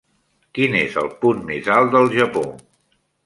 Quin és el punt més alt del Japó?